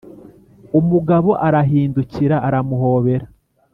umugabo arahindukira aramuhobera